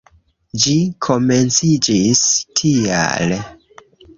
Ĝi komenciĝis tial.